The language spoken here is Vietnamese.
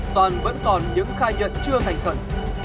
toàn vẫn còn những khai nhận chưa thành khẩn